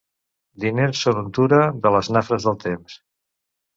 Diners són untura de les nafres del temps.